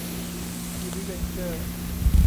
ยูนิเวนเจอร์